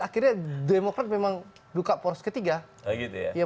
akhirnya demokrat memang buka poros ketiga